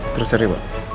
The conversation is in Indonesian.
terus cari pak